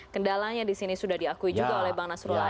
kendalanya disini sudah diakui juga oleh bang nasrullah